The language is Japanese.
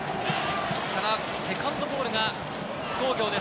セカンドボールが津工業です。